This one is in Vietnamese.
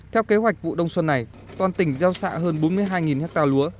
theo kế hoạch vụ đông xuân này toàn tỉnh gieo xạ hơn bốn mươi hai ha lúa